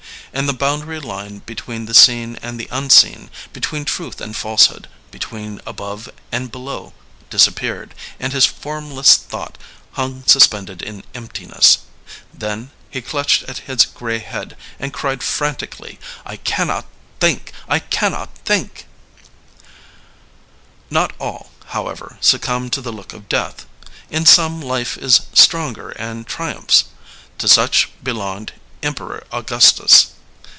And the boundary line between the seen and the unseen, between truth and falsehood, between above and below disappeared, and his form less thought hung suspended in emptiness. Then he clutched at his gray head and cried frantically: 'I cannot think I I cannot think t' " Not aU, however, succumb to the look of Death. §^ 14 LEONID ANDREYEV In some, life is stronger and triumphs. To such be longed Emperor Augustus.